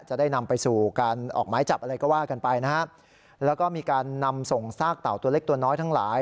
จะได้นำไปสู่การออกหมายจับอะไรก็ว่ากันไปนะฮะแล้วก็มีการนำส่งซากเต่าตัวเล็กตัวน้อยทั้งหลาย